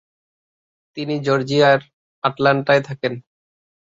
তিনি জর্জিয়ার আটলান্টায় থাকেন।